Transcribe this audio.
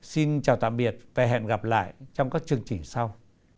xin chào tạm biệt và hẹn gặp lại trong các chương trình sau